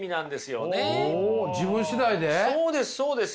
そうです！